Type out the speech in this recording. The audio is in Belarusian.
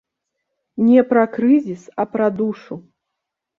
Не пра крызіс, а пра душу.